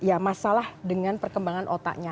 ya masalah dengan perkembangan otaknya